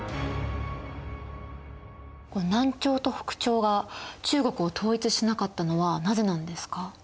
南朝と北朝が中国を統一しなかったのはなぜなんですか？